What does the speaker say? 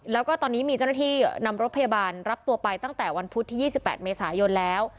แล้วก็ตอนนี้มีเจ้าหน้าที่นำรถพยาบาลรับตัวไปตั้งแต่วันพุธที่๒๘เมษายนแล้ว